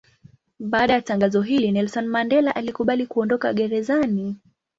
Baada ya tangazo hili Nelson Mandela alikubali kuondoka gerezani.